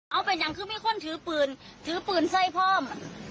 เอาเป็นอย่างคือมีคนถือปืนถือปืนไส้เพิ่ม